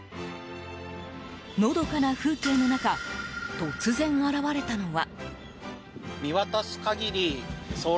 のどかな風景の中突然、現れたのは。